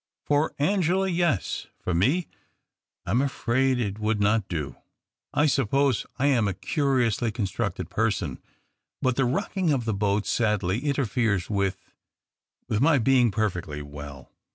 " For Angela, yes ; for me, I am afraid it would not do. T suppose I am a curiously constructed person, but the rocking of the boat sadly interferes with — with my being jjerfectly well.